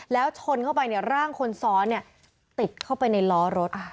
แล้วชนเข้าไปร่างคนซ้อนติดเข้าไปในล้อรถ